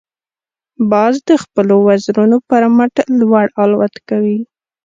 باز د خپلو وزرونو پر مټ لوړ الوت کوي